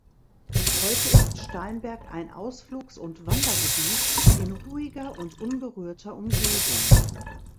Heute ist Steinberg ein Ausflugs- und Wandergebiet in ruhiger und unberührter Umgebung.